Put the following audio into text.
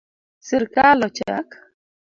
Sirkal ochak